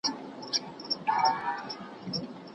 استاد د څېړنې ډولونه تشریح کوي.